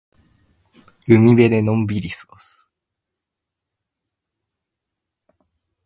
海辺でのんびり過ごす。